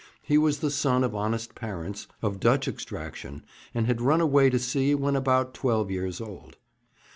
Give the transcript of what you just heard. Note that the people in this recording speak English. He was the son of honest parents, of Dutch extraction, and had run away to sea when about twelve years old.